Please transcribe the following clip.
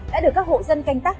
đã được các hộ dân canh tác